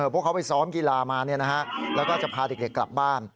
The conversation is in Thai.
พวกเขาไปซ้อมกีฬามาแล้วก็จะพาเด็กกลับบ้าน